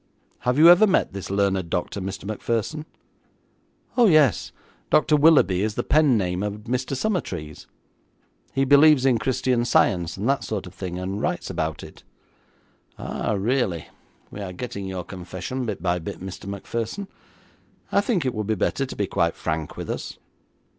'Have you ever met this learned doctor, Mr. Macpherson?' 'Oh, yes. Dr. Willoughby is the pen name of Mr. Summertrees. He believes in Christian Science and that sort of thing, and writes about it.' 'Ah, really. We are getting your confession bit by bit, Mr. Macpherson. I think it would be better to be quite frank with us.'